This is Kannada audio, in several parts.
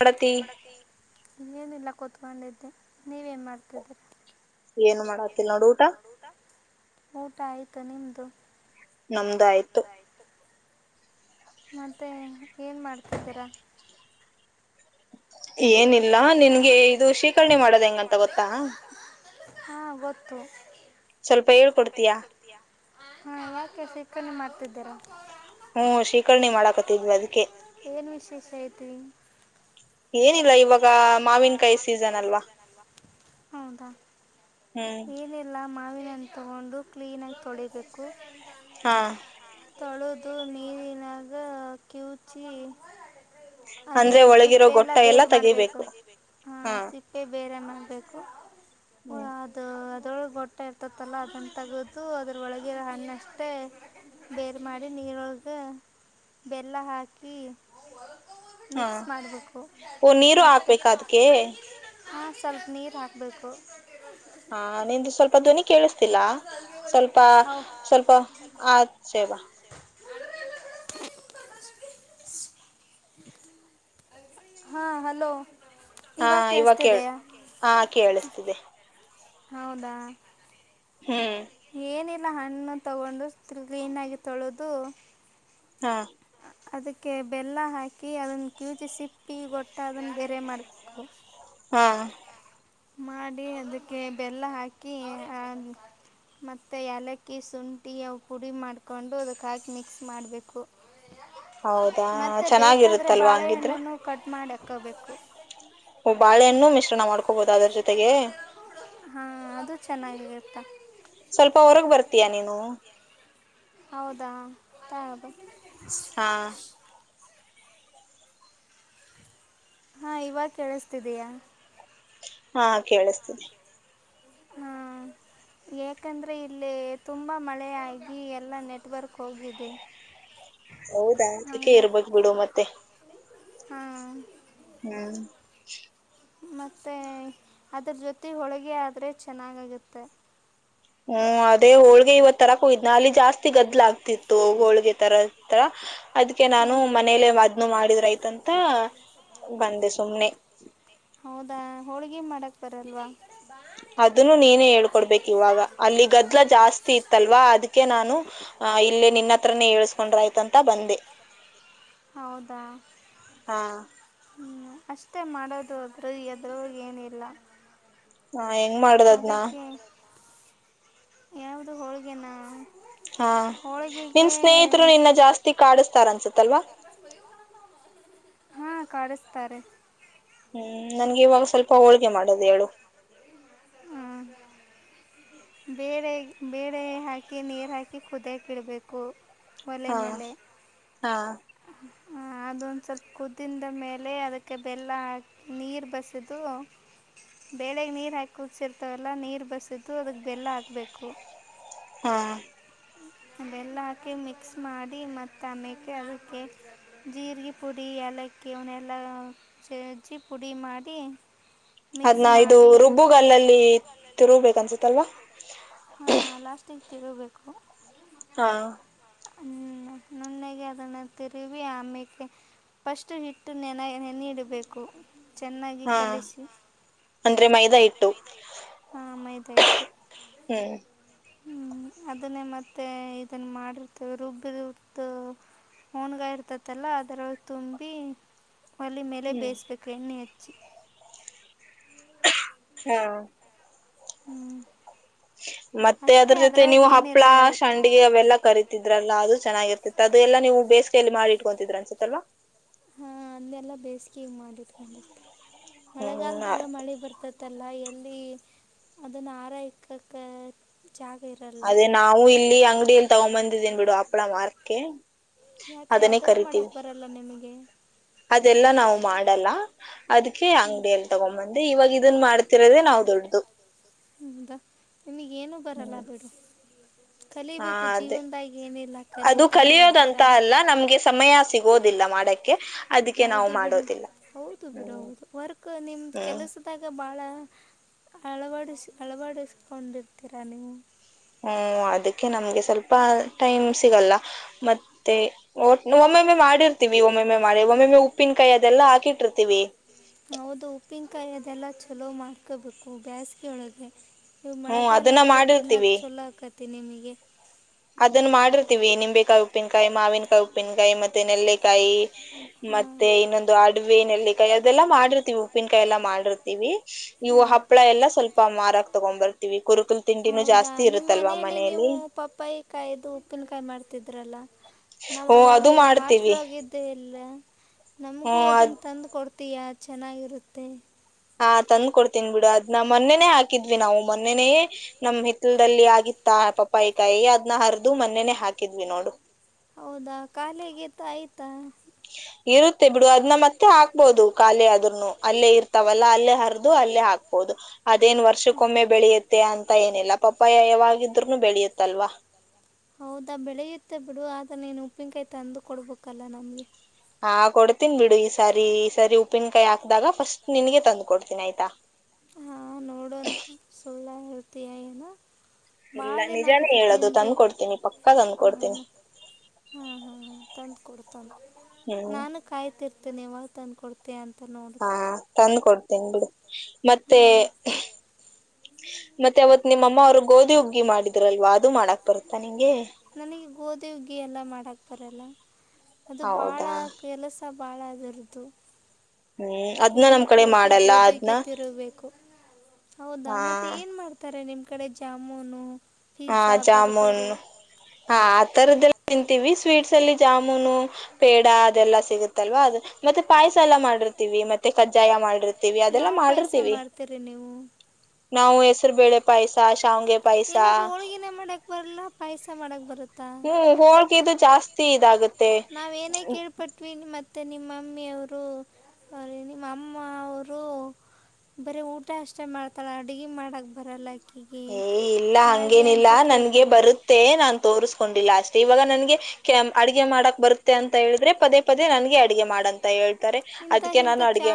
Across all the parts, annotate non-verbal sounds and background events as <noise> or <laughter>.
ಅಡತಿ ಏನಿಲ್ಲ ಕುೂತ್ಕೊಂಡಿದ್ದೆ ನೀವೇನ್ ಮಾಡ್ತಿದ್ದೀರ ಏನು ಮಾಡಾತಿಲ್ ನೋಡು ಊಟ ಊಟ ಆಯ್ತು ನಿಮ್ದು ನಮ್ದ ಆಯ್ತು ಮತ್ತೆ ಏನ್ ಮಾಡ್ತಾದ್ದೀರಾ ಏನಿಲ್ಲ ನಿನ್ಗೆ ಇದು ಶ್ರೀಕರ್ಣೆ ಮಾಡೋದ ಹೆಂಗಂತ ಗೊತ್ತಾ ಹಾಂ ಗೊತ್ತು ಸ್ವಲ್ಪ ಹಕೊಡ್ತಯ ಹಾ ಯಾಕೆ ಸಿಕ್ಕನೆ ಮಾಡ್ತಿದ್ದೀರಾ ಹ್ಮ್ ಶೀಕರ್ಣಿ ಮಾಡಕತ್ತಿದ್ವಿ ಅದಕ್ಕೆ ಏನಿಲ್ಲ ಇವಾಗ ಮಾವಿನಕಾಯಿ ಸೀಸನ್ ಅಲ್ವಾ ಹೌದಾ ಏನೆಲ್ಲ ಮಾವಿನನ್ನು ತಗೊಂಡು ಕ್ಲೀನಾಗಿ ತೊಳಿಬೇಕು ಹಾ ತೊಳೆದು ಮೀಲಿನಾಗ ಕ್ಯೂಚಿ ಅಂದ್ರೆ ಒಳಗಿರೋ ಗೊಟ್ಟ ಎಲ್ಲ ಮಾಡ ಹ ಸಿಪ್ಪೆ ಬೇರೆ ಮಾಡ್ಬೇಕು ಳಗ ಗೊಟ್ಟ ಇರ್ತತಲ್ಲ ಅದನ್ನು ತಗದು ಅದ್ರೊಳಗಿರೋ ಹಣ್ಣ ಅಷ್ಟೇ ಬೇರ್ ಮಾಡಿ ನೀರೊಳಗ ಬೆಲ್ಲ ಹಾಕಿ ಮಿಕ್ಸ್ ಮಾಡಬೇಕು ಮತ್ತೆ ಹಾ ಸ್ವಲ್ಪ ನೀರು ಹಾಕ್ಬೇಕು ಹಾ ನಿಂದು ಸ್ವಲ್ಪ ಧ್ವನಿ ಕೇಳಿಸ್ತಿಲ್ಲಾ ಸ್ವಲ್ಪ ಸ್ವಲ್ಪ ಆ ಸೇವಾ <inaudible> ಹಾ ಹ ಹಾ ಇವ ಕ ಹಾ ಕೇಳಿಸ್ತಿದೆ ಹೌದಾ ಏನಿಲ್ಲ ಹಣ್ಣು ತಗೊಂಡು ಕ್ಲೀನ್ ಆಗಿ ತೊಳೋದು ಹಾ ಅದಕ್ಕೆ ಬೆಲ್ಲ ಹಾಕಿ ಅದನ್ನ ಕ್ಯೂಚಿ ಸಿಪ್ಪಿ ಗೊಟ್ಟ ಅದನ್ನ ಬೇರೆ ಮಾಡಬೇಕು. ಹಾ. ಮಾಡಿ ಅದಕ್ಕೆ ಬೆಲ್ಲ ಹಾಕಿ ಆ ಮತ್ತೆ ಯಾಲಕ್ಕಿ ಶುಂಠಿ ಅವು ಪುಡಿ ಮಾಡಿಕೊಂಡು ಅದಕ್ಹಾಕಿ ಮಿಕ್ಸ್ ಮಾಡಬೇಕು. ಹೌದಾ ಚೆನ್ನಾಗಿರುತ್ತಲ್ವಾ ಹಂಗಿದ್ರೆ. ಕಬೇಕು ಓ ಬಾಳೆೆಣ್ಣು ಮಿಶ್ರಣ ಮಾಡ್ಕೋಬೋದ ಅದ್ರ ಜೊತೆಗೆ. ತ್ತ ಸ್ವಲ್ಪ ಹೊರಗ್ ಬರ್ತೀಯಾ ನೀನು. ಹೌದಾ ತೌದು ಹಾ. ಹಾ ಇವಾಗ ಕೇಳಿಸ್ತಿದೀಯಾ. ಹಾ ಕೇಳಿಸ್ತಿದೆ. <inaudible> ಯಾಕಂದ್ರೆ ಇಲ್ಲಿ ತುಂಬ ಮಳೆ ಆಗಿ ಎಲ್ಲ ನೆಟ್ವರ್ಕ್ ಹೋಗಿದೆ. ಹೌದಾ ಅದಕ್ಕೆ ಇರ್ಬೇಕ್ ಬಿಡು ಮತ್ತೆ. ಹಾ. ಹ್ಮ್. ಮತ್ತೆ ಅದ್ರ ಜೊತೆ ಹೋಳಿಗೆ ಆದರೆ ಚೆನ್ನಾಗಾಗತ್ತೆ. ಹ್ಮ್ ಅದೇ ಹೋಳ್ಗೆ ಇವತ್ ತರಕ್ ಹೋಗಿದ್ನ ಅಲ್ಲಿ ಜಾಸ್ತಿ ಗದ್ಲ ಆಗ್ತಿತ್ತು ಹೋಳ್ಗೆ ತರ ಕ ಅದ್ಕೆ ನಾನು ಮನೇಲೆೇ ಅದ್ನು ಮಾಡಿದ್ರಾಯ್ತಂತ ಬಂದೆ ಸುಮ್ನೆ. ಹೌದಾ ಹೋಳ್ಗೆ ಮಾಡಕ್ ಬರಲ್ವಾ. ಅದನ್ನು ನೀನೇ ಹೇಳ್ಕೊಡ್ಬೇಕು ಇವಾಗ ಅಲ್ಲಿ ಗದ್ಲ ಜಾಸ್ತಿ ಇತ್ತಲ್ವಾ ಅದಕ್ಕೆ ನಾನು ಆ ಇಲ್ಲೇ ನಿನ್ನ ಹತ್ರನೆೇ ಹೇಳಸ್ಕೊಂಡ್ರೆ ಆಯ್ತಂತ ಬಂದೆ. ಹೌದಾ ಹ್ಞೂಂ ಅಷ್ಟೇ ಮಾಡೋದು ಅದ್ರ ಅದ್ರೊಳಗ ಏನಿಲ್ಲ. ಹಾ ಹೆಂಗ್ ಮಾಡೋದದ್ನ. ಯಾವ್ದು ಹೋಳ್ಗೆನಾ. ಹಾ ನಿನ್ ಸ್ನೇಹಿತರು ನಿನ್ನ ಜಾಸ್ತಿ ಕಾಡಿಸ್ತಾರ ಅನ್ಸತ್ತಲ್ವಾ. <inaudible> ಕಾಡಸ್ತಾರೆ. ಹ್ಮ್ ನನ್ಗೆ ಇವಾಗ ಸ್ವಲ್ಪ ಹೋಳ್ಗೆ ಮಾಡೋದ ಹೇಳು. ಬೇಳೆ, ಬೇಳೆ ಹಾಕಿ ನೀರ್ ಹಾಕಿ ಕುದ್ಯಾಕ್ ಇಡ್ಬೇಕು. ಒಲೆೆ ಮೇಲೆ ಅದೊಂದು ಸ್ವಲ್ಪ ಕುದ್ದಿಂದ ಮೇಲೆ ಅದಕ್ಕೆ ಬೆಲ್ಲ ಹಾಕ್ ನೀರ್ ಬಸದು ಬೇಳೆಗ್ ನೀರು ಹಾಕಿ ಕುದಸಿರ್ತವಲ್ಲ ನೀರು ಬಸದ್ದು ಅದಕ್ಕೆ ಬೆಲ್ಲ ಹಾಕ್ಬೇಕು. ಹಾ. ಅದೆಲ್ಲ ಹಾಕಿ ಮಿಕ್ಸ್ ಮಾಡಿ ಮತ್ತ ಆಮ್ಯೇಕೆ ಅದಕ್ಕೆ ಜೀರಿಗೆ ಪುಡಿ ಏಲಕ್ಕಿ ಅವನ್ನಲ್ಲ ಸಜಿ ಪುಡಿ ಮಾಡಿ ಅದ್ನ ಇದು ರುಬ್ಬುಗಲ್ಲಲ್ಲಿ ತಿರುಗಬೇಕ ಅನ್ಸಲ್ವಾ ಹಾ ಲಾಸ್ಟಿಗೆ ತಿರುಬೇಕು ಹಾ. ನುಣ್ಣಗೆ ಅದನ್ನ ತಿರುವಿ ಆಮೇಕೆ ಫಸ್ಟು ಹಿಟ್ಟು ನೆನೆ ನೆನ್ನಿಡ್ಬೇಕು ಚೆನ್ನಾಗಿ ಕಲಿಸಿ. ಹಾ ಮೈದಾ ಹಿಟ್ಟು. ಹ್ಮ್ ಅದನ್ನೇ ಮತ್ತೆ ಇದನ್ನ ಮಾಡಿರ್ತೇವೆ ರುಬ್ಬಿದುತ್ತು ಹೂನ್ಗಾ ಇರ್ತತಲ್ಲ ಅದರೊಳಗ ತುಂಬಿ ಒಲ್ಲಿ ಮೇಲೆ ಬೇಯಿಸ್ಬೇಕು ಎಣ್ಣಿ ಹೆಚ್ಚಿ. ಹಾ. ಹ್ಮ್. ಮತ್ತೆ ಅದ್ರ ಜೊತೆ ನೀವು ಹಪ್ಳ ಶಂಡಿಗೆ ಅವೆಲ್ಲ ಕರೀತಿದ್ರಲ್ಲ ಅದು ಚೆನ್ನಾಗಿರ್ತ ಅದುದೆಲ್ಲಾ ನೀವು ಬೇಸಿಗೆಯಲ್ಲಿ ಮಾಡಿ ಇಟ್ಕೊತಿದ್ರ ಅನ್ಸತ್ತಲ್ವಾ ಕೀಮ್ ಮಾಡಕೊಂಡಿತ್ತು ಮಳೆಗಾಲದಾಗ ಮಳೆ ಬರ್ತತ್ತಲ್ಲ ಎಲ್ಲಿ ಅದ ನ ಆಾರಾಯಕ ಅದೇ ನಾವು ಇಲ್ಲಿ ಅಂಗಡಿಯಲ್ಲಿ ತಗೊ್ ಬಂದಿದ್ದೇನ್ ಬಿಡು ಹಪ್ಳ ಮಾರ್ಕ್ಕೆ ಯಾಕೆ ಅದನ್ನು ಮಾಡಕ್ ಬರಲ್ಲ ನಿಮಗೆ ಅದೆಲ್ಲಾ ನಾವು ಮಾಡಲ್ಲ ಅದಕ್ಕೆ ಅಂಗಡಿಯ ಎಲ್ಲಿ ತಗೊಂಡಂಬಂದೆ ಇವಾಗ ಇದನ್ ಮಾಡ್ತಿರೋದೇ ನಾವು ದೊಡ್ಡದು ಹದಾ ನಿಮಗ ಏನು ಬರಲ್ಲ ಬಿಡು ಕಲಿಬೇಕು ಜೀವನನ್ದಾಗಿ ಏನ ಅದು ಕಲಿಯೋದಂತ ಅಲ್ಲ ನಮ್ಗೆ ಸಮಯ ಸಿಗೋದಿಲ್ಲ ಮಾಡಕ್ಕೆ ಹೌದು ಬಿಡು ಹೌದು ಬಿಡು ಹೌದು ವರ್ಕ್ ನಿಮ್ದ ಕೆಲಸದಾಗ ಬಾಳ ಹಳವ ಹಳವಾ ಡಿಸ್ಕೌಂಟ್ ಇರ್ತೀರಾ ನೀವು ಹ್ಮ ಅದಕ್ಕೆ ನಮ್ಗೆ ಸ್ವಲ್ಪ ಟೈಮ್ ಸಿಗಲ್ಲ ಮತ್ತೆ ಒ ಒಮ್ಮೊಮ್ಮೆ ಮಾಡಿರ್ತವಿ ಒಮ್ಮೊಮ್ಮೆ ಮಾಡಿ ಒಮ್ಮೊಮ್ಮೆ ಉಪ್ಪಿನಕಾಯಿ ಅದೆಲ್ಲ ಹಾಕಿಟ್ಟಿರ್ತಿವಿ ಹೌದು ಉಪ್ಪಿನಕಾಯಿ ಅದೆಲ್ಲ ಚಲೋ ಮಾಡ್ಕೋಬೇಕು ಬೇಸ್ಗೆ ಒಳಗೆ ನೀವ್ ಮಳೆಗಾಲ ಹೋಗತಿ ಇನ್ನಾಕ ಚಲೋ ಆಕತಿ ನಿಮಗೆ ಅದನ್ನು ಮಾಡಿರ್ತಿವಿ ನಿಂಬೆಕಾಯಿ ಉಪ್ಪಿನಕಾಯಿ ಮಾವಿನಕಾಯಿ ಉಪ್ಪಿನಕಾಯಿ ಮತ್ತೆ ನೆಲ್ಲಕಾಯಿ ಮತ್ತೆ ಇನ್ನೊಂದು ಅಡ್ವೆ ನೆಲ್ಲಿಕಾಯಿ ಅದೆಲ್ಲಾ ಮಾಡಿರ್ತಿವಿ ಉಪ್ಪಿನಕಾಯಿ ಎಲ್ಲಾ ಮಾಡಿರ್ತೀವಿ ಇವು ಹಪ್ಳ ಎಲ್ಲ ಸ್ವಲ್ಪ ಮಾರಕ್ ತಗೊಂಡ್ ಬರ್ತೀವಿ ಕುರುಕುಲ್ ತಿಂಡಿನೂ ಜಾಸ್ತಿ ಇರುತ್ತಲ್ವಾ ಮನೆಯಲ್ಲಿ ಉಪ್ಪಾಯಿ ಕಾಯ್ದು ಉಪ್ಪಿನಕಾಯಿ ಮಾಡ್ತಿದ್ರಲ್ಲಾ ನಮ್ಮಮಗೆ ಹಾಸ್ಲಗಿದ್ದೆ ಇಲ್ಲ ನಮಗೂ ಅದನ್ನ ತಂದುಕೊಡ್ತೀಯಾ ಚೆನ್ನಾಗಿರುತ್ತೆ ಹಾ ತಂದ್ ಕೊಡ್ತೀನ್ ಬಿಡು ಅದ್ ನ ಮೊನ್ನೆನೇ ಹಾಕಿದ್ವಿ ನಾವು ಮೊನ್ನೆನೆಯೇ ನಮ್ ಹಿಲದಲ್ಲಿ ಆಗಿ ತಾ ಪಪ್ಪಾಯಕಾಯಿ ಅದ್ನ ಹರಿದ ಮೊನ್ನೇನೆ ಹಾಕಿದ್ವಿ ನೋಡು ಹೌದಾ ಕಾಲೆಗೆತ ಆಯ್ತಾ <unintelligible> ಇರುತ್ತೆ ಬಿಡು ಅದನ್ನ ಮತ್ತೆ ಹಾಕ್ಬೋದು ಖಾಲಿ ಅದರುನು ಅಲ್ಲೇ ಇರ್ತಾವಲ್ಲ ಅಲ್ಲೇ ಹರಿದು ಅಲ್ಲೇ ಹಾಕ್ಬೋದು ಅದೇನ್ ವರ್ಷಕ್ಕೊಮ್ಮೆ ಬೆಳೆಯುತ್ತೆ ಅಂತ ಏನಿಲ್ಲ ಪಪ್ಪಾಯ ಯಾವಾಗಿದ್ನು ಬೆಳೆಯುತ್ತಲ್ವಾ ಹೌದಾ ಬೆಳೆಯುತ್ತೆ ಬಿಡು ಆದ್ರೆ ನೀನು ಉಪ್ಪಿನಕಾಯಿ ತಂದು ಕೊಡ್ಬೇಕಲ್ಲ ನಮ್ಗೆ ಹ ಕೊಡ್ತೀನ್ ಬಿಡು ಈ ಸಾರಿ ಈ ಸಾರಿ ಉಪ್ಪಿನಕಾಯಿ ಹಾಕ್ದಾಗ ಫಸ್ಟ್ ನಿನಗೆ ತಂದು ಕೊಡ್ತೀನಿ ಆಯ್ತಾ ಹಾ ನೋಡೋಣ ಸುಳ್ಳ ಇಳ್ತಯ ಏನ <unintelligible> ನಾನು ನಿಜಾನೇ ಹೇಳದು ತಂದ್ಕೊಡ್ತೀನಿ ಪಕ್ಕ ತಂದ್ಕ ಕೊಡ್ತೀನಿ ಹಾ ಹಾ ತಂದ್ ಕೊಡ ತಂದ ನಾನು ಕಾಯ್ತಿರ್ ನ್ಯವಾಗ ತಂದುಕ ಕೊಡ್ತ ಅಂತ ಹಾ ತಂದ್ ಕೊಡ್ತೇನೆ ಬಿಡಿ ಮತ್ತೆ ಮತ್ತೆ ಅವತ್ ನಿಮ್ಮ ಅಮ್ಮ ಅವ್ರುಗೋಧಿ ಉಗ್ಗಿ ಮಾಡಿದ್ರಲ್ವಾ ಅದು ಮಾಡಕ್ ಬರುತ್ತಾನೆ ನನಗೆ ಗೋಧಿ ಉಗಿಎಲ್ಲ ಮಾಡಕ್ ಬರಲ್ಲ ಅದು ಬಾಳ ಕೆಲಸ ಬಾಳ ಅದುರ್ದು ಹ್ಮ್ ಅದ್ನ ನಮ್ ಕಡೆ ಮಾಡಲ್ಲ ಅದ್ನ ಹೌದಾ ಮತ್ತೆ ಏನ್ ಮಾಡ್ತಾರೆ ನಿಮ್ ಕಡೆ ಜಾಮೂನು ಹಾ ಜಾಮುನ್ ಹಾ ಆ ತರದ್ದಲ್ಲ ತಿಂತೀವಿ ಸ್ವೀಟ್ಸ್ ಅಲ್ಲಿ ಜಾಮೂನು ಪೇಡ ಅದೆಲ್ಲಾ ಸಿಗುತ್ತಲ್ವಾ ಅದ ಮತ್ತೆ ಪಾಯಸಾಲ ಮಾಡಿರ್ತಿವಿ ಮತ್ತೆ ಕಜ್ಜಾಯ ಮಾಡಿರ್ತವಿ ಲ್ಲ ಮಾಡಿರ್ವಿ ನ ಹೆಸರುಬೇಳೆ ಪಾಯಸ ಶಾವಗೆ ಪಾಯಸ ಹಳಗಿನ ಮಾಡಕ್ ಬರಲ್ಲ ಪಾಯಸ ಮಾಡಕ್ ಬರತ್ತ ಹ್ಮ್ ಹೋಳ್ಗೆದು ಜಾಸ್ತಿ ಇದಾಗತ್ತೆ ಮತ್ತೆ ನಿಮ್ಮಮ್ಮಿಯವರು ನಿಮ್ಮ ಅಮ್ಮ ಅವರು ಬರೀ ಊಟ ಅಷ್ಟೇ ಮಾಡ್ತಳ ಅಡುಗಿ ಮಾಡಕ್ ಬರ ಲೈಕ್ ಏ ಇಲ್ಲ ಅಂಗೇನಿಲ್ಲ ನನ್ಗೆ ಬರುತ್ತೆ, ನಾನ್ ತೋರುಸ್ಕೊಂಡಿಲ್ಲ ಅಷ್ ತಿವಾಗ ನನ್ಗೆ ಅಡ್ಗೆ ಮಾಡಕ್ ಬರುತ್ತೆ ಅಂತ ಹೇಳಿದ್ರೆ ಪದೇ ಪದೇ ನನ್ಗೆ ಅಡಗೆ ಮಾಡಂತ ಹೇಳ್ ತಾರೆ ಅದುಕೆ ನಾನು ಅಡ್ಗೆ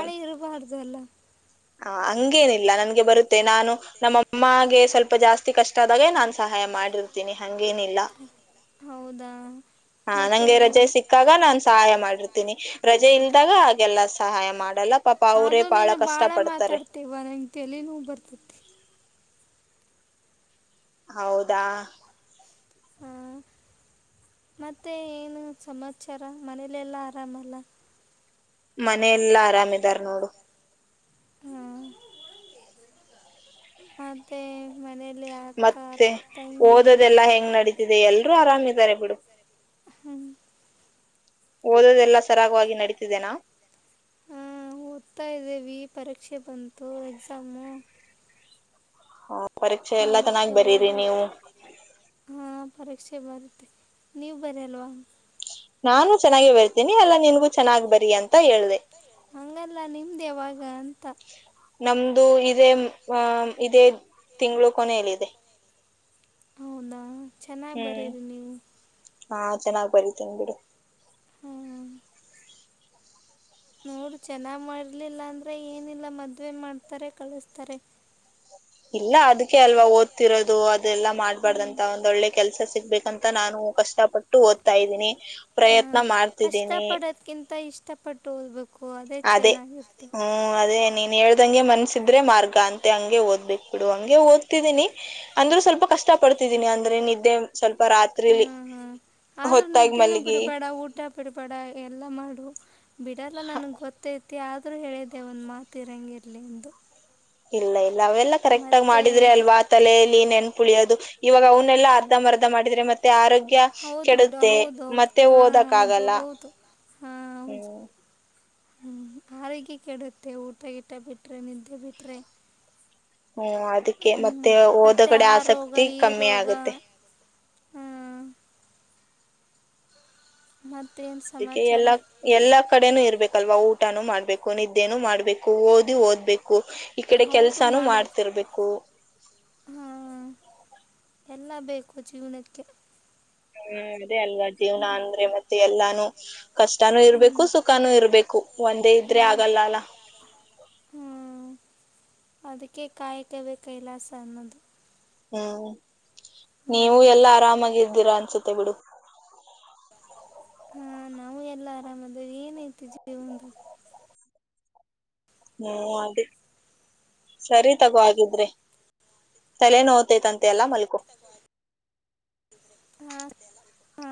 ಆ ಅಂಗೇನಿಲ್ಲ ನನ್ಗೆ ಬರುತ್ತೆ ನಾನು ನಮ್ಮಮ್ಮ ಗೆ ಸ್ವಲ್ಪ ಜಾಸ್ತಿ ಕಷ್ಟ ಆದಾಗೆ ನಾನ್ ಸಹಾಯ ಮಾಡಿರ್ತೀನಿ ಹಂಗೇನಿಲ್ಲ. ಹೌದಾ ಆ ನಂಗೆ ರಜೆ ಸಿಕ್ಕಾಗ ನಾನ್ ಸಹಾಯ ಮಾಡಿರ್ತೀನಿ ರಜೆ ಇಲ್ದಾಗ ಹಾಗೆಲ್ಲ ಸಹಾಯ ಮಾಡಲ್ ಆದ್ರೂ ನೀನು ಬಾಳ ಮಾತಾಡ್ತ್ಯವ್ವ ನಂಗ್ ತಲಿ ನೋವ್ ಬರ್ತೈತಿ. <inaudible> ಹೌದಾ ಮತ್ತೆ ಏನು ಸಮಾಚಾರ ಮನೇಲೆಲ್ಲಾ ಆರಾಮಲ್ಲ? ಮನೆ ಎಲ್ಲಾ ಆರಾಮದಾರ್ ನೋಡು. ಆ ಮತ್ತೆ ಮನೆ ಮತ್ತೆ ಓದದೆಲ್ಲಾ ಹೆಂಗ್ ನಡೀತಿದೆ ಎಲ್ರೂ ಆರಾಮಿದಾರೆ ಬಿಡು. ಹ್ಮ್ ಓದೋದೆಲ್ಲಾ ಸರಾಗವಾಗಿ ನಡೀತಿದೆೇನಾ? ಹ್ಮ್ ಓದ್ತಾ ಇದ್ದೀವಿ ಪರೀಕ್ಷೆ ಬಂತು ಎಕ್ಸಾಮು ಹಾಂ ಪರೀಕ್ಷೆ ಎಲ್ಲಾ ಚೆನ್ನಾಗ್ ಬರೀರಿ ನೀವು. ಪರೀಕ್ಷೆ ಬರುತ್ತೆ ನೀವ್ ಬರ್ಯಲ್ವಾ? ನಾನು ಚೆನ್ನಾಗೆ ಬರೀತೆ. ಏ ಅಲ್ಲ ನಿನ್ಗೂ ಚೆನ್ನಾಗ್ ಬರಿ ಅಂತ ಹೇಳ್ದೆ. ನಮ್ದು ಇದೇ ಆಮ್ ಇದೇ ತಿಂಗ್ಳು ಕೊನೇಲಿದೆ. ಹೌದಾ ಚೆನ್ನಾಗ್ ಬರೀರಿ ನೀವು. ಹಾಂ ಚೆನ್ನಾಗ್ ಬರೀತೀನ್ ಬಿಡು. ನೋಡು ಚೆನ್ನಾಗ್ ಮಾಡ್ಲಿಲ್ಲ ಅಂದ್ರೆ ಏನಿಲ್ಲ ಮದುವೆ ಮಾಡ್ತಾರೆ ಕಳಿಸ್ತಾರೆ. ಇಲ್ಲ ಅದುಕ್ಕೆ ಅಲ್ವಾ ಓದ್ತಿರೋದು ಅದೆಲ್ಲಾ ಮಾಡ್ಬಾರ್ದಂತ ಒಂದೊಳ್ಳೆ ಕೆಲ್ಸ ಸಿಗ್ಬೇಕಂತ ನಾನು ಕಷ್ಟಪಟ್ಟು ಓದ್ತಾ ಇದ್ದೀನಿ ಪ್ರಯತ್ನ ಮಾಡ್ತಿದ್ದೀನಿ. ಕಷ್ಟ ಪಟ್ ಓದ್ಬೇಕ್ ಅದೇ ಹ್ಮ್ ಅದೇ ನಿಮ್ ನೀ ಹೇಳ್ದಂಗೆ ಮನ್ಸಿದ್ರೆ ಮಾರ್ಗ ಅಂತೆ ಹಂಗೆ ಓದ್ಬೇಕ್ ಬಿಡು ಹಂಗೆ ಓದ್ತಿದೀನಿ ಅಂದ್ರು ಸ್ವಲ್ಪ ಕಷ್ಟ ಷ್ಟ ಪಡ್ತಿದ್ದೀನಿ ಅಂದ್ರೆ ನಿದ್ದೆ ಸ್ವಲ್ ಹ್ಮ್ ಹ್ಮ್ ಆದ್ರೂ ನಿದ್ದೇನು ಬಿಡ್ಬೇಡ ಊಟ ಬಿಡ್ಬೇಡ ಎಲ್ಲಾ ಮಾಡು ಬಿಡಲ್ಲ ನನಗೆ ಗೊತ್ತೈತಿ ಆದರೂ ಹೇಳಿದೆ ಒಂದು ಮಾತು ಇರಂಗಿರ್ಲಿ ಎಂದು. ಇಲ್ಲ ಇಲ್ಲ ಅವೆಲ್ಲ ಕರೆಕ್ಟಾಗ್ ಮಾಡಿದ್ರೆ ಅಲ್ವಾ ತಲೆಯಲ್ಲಿ ನೆನ್ಪುಳಿಯೋದು ಇವಾಗ ಒನ್ ದೆಲ್ಲಾ ಅರ್ಧಂಬರ್ಧ ಮಾಡಿದ್ರ ಮತ್ತೆ ಆರೋಗ್ ಯ ಕೆಡುತ್ತೆ ಮತ್ತೆ ಓದಕ್ಕಾಗಲ್ಲ. ಹ್ಮ್ ಹ್ಮ್ ಆರೋಗ್ಯ ಕೆಡುತ್ತೆ ಊಟ ಗೀಟ ಬಿಟ್ರೆ ನಿದ್ದೆ ಬಿಟ್ರೆ ಹ್ಮ್ ಅದಕ್ಕೆ ಮತ್ತೆ ಓದೋ ಕಡೆ ಆಸಕ್ತಿ ಕಮ್ಮಿ ಆಗತ್ತೆ <unintelligible> ಮತ್ತ ಅದುಕ್ಕೆ ಎಲ್ಲಾ ಎಲ್ಲಾ ಕಡೆನು ಇರ್ಬೇಕಲ್ವಾ ಊಟನೂ ಮಾಡ್ ಬೇಕು, ನಿದ್ದೇನು ಮಾಡ್ಬೇಕು, ಓದಿ ಓದ್ಬೇಕ್ ಕು ಈ ಕಡೆ ಕೆಲ್ಸಾನು ಮಾಡ್ತಿರ್ಬೇಕು. ಎಲ್ಲಾ ಬೇಕು ಜೀವನಕ್ಕೆ. ಹ್ಮ್ ಅದೇ ಅಲ್ವಾ ಜೀವ್ನ ಅಂದ್ರೆ ಮತ್ತೆ ಎಲ್ಲಾನು ಕಷ್ಟಾನೂ ಇರ್ಬೇಕು ಸುಖನೂ ಇರ್ಬೇಕು ಒಂದೇ ಇದ್ರೆ ಆಗಲ್ಲ ಅಲ್ಲ. <inaudible> ಅದುಕ್ಕೆೇ ಕಾಯಕವೇ ಕೈಲಾಸ ಅನ್ನದು. ಹ್ಮ್ ನೀವು ಎಲ್ಲಾ ಆರಾಮಾಗಿದ್ದೀರಾ ಅನ್ಸುತ್ತೆ ಬಿಡು. ಹಾ ನಾವು ಎಲ್ಲಾ ಆರಾಮದವಿ ಏನೈತಿ ಜೀ ಒಂದ ಹ್ಮ್ ಅದೇ ಸರಿ ತಗೋಗಿದ್ರಿ ತಲೆನೋ್ತೈತಂತೆ ಅಲ್ಲ ಮಲ್ಕೊ <unintelligible> ಹಾ ಹಾ